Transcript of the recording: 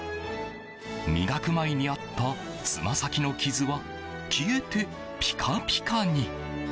磨く前にあったつま先の傷は消えてピカピカに。